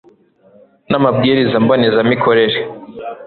n amabwiriza mboneza mikorere